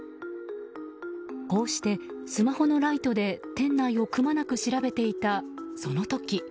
こうしてスマホのライトで店内をくまなく調べていたその時。